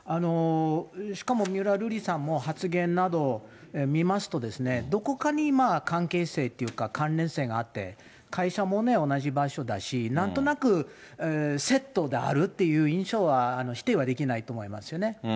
しかも三浦瑠麗さんも、発言など見ますと、どこかに関係性というか、関連性があって、会社も同じ場所だし、なんとなくセットであるという印象は、否定はできないと思いますよね。